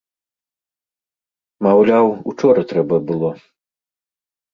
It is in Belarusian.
Маўляў, учора трэба было.